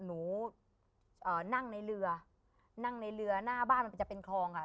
หนูนั่งในเรื้อหน้าบ้านมันว่าจะเป็นคลองห่ะ